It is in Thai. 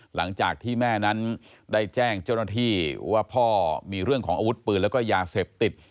หลังจากที่แม่นั้นได้แจ้งเจ้าหน้าที่ว่าพ่อมีเรื่องของอาวุธปืนแล้วก็ยาเสพติด